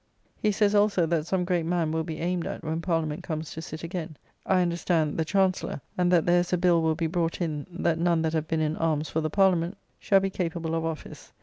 ] He says, also, that some great man will be aimed at when Parliament comes to sit again; I understand, the Chancellor: and that there is a bill will be brought in, that none that have been in arms for the Parliament shall be capable of office.